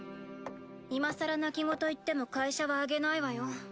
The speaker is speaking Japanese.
今更泣き言言っても会社はあげないわよ。